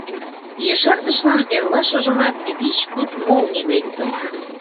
Ешартышлан эрлашыжымак вич-куд «молний» лектын.